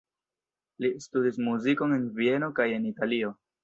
Li studis muzikon en Vieno kaj en Italio.